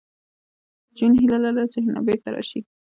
جون هیله لرله چې حنا بېرته راشي